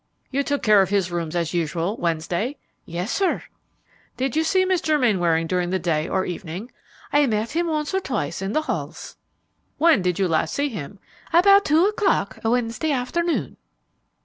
"You took care of his rooms as usual Wednesday?" "Yes, sir." "Did you see Mr. Mainwaring during the day or evening?" "I met him once or twice in the halls." "When did you last see him?" "About two o'clock Wednesday afternoon."